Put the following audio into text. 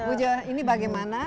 bu jo ini bagaimana